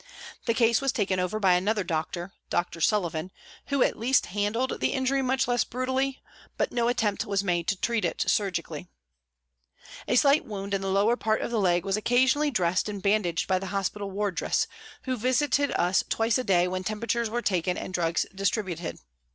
The case was taken over SOME TYPES OF PRISONERS 117 by another doctor (Dr. Sullivan) who at least handled the injury much less brutally, but no attempt was made to treat it surgically. A slight wound in the lower part of the leg was occasionally dressed and bandaged by the hospital wardress, who visited us twice a day when temperatures were taken and drugs distributed.